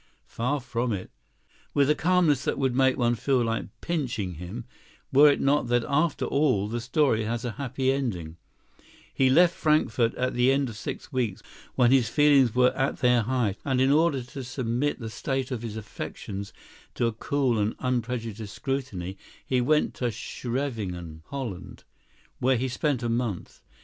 Far from it. With a calmness that would make one feel like pinching him, were it not that after all the story has a "happy ending," he left Frankfort at the end of six weeks, when his feelings were at their height, and in order to submit the state of his affections to a cool and unprejudiced scrutiny, he went to Scheveningen, Holland, where he spent a month.